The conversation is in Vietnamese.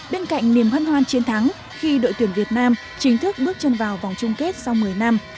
bên cạnh niềm hân hoan chiến thắng khi đội tuyển việt nam chính thức bước chân vào vòng chung kết sau một mươi năm